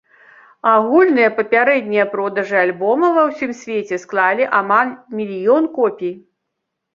Агульныя папярэднія продажы альбома ва ўсім свеце склалі амаль мільён копій.